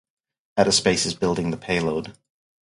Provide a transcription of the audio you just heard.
Eta Space is building the payload.